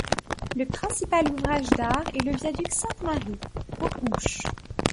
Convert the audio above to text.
Le principal ouvrage d'art est le viaduc Sainte-Marie aux Houches.